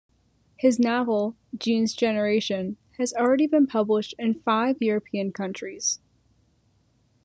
His novel "Jeans Generation" has already been published in five European countries.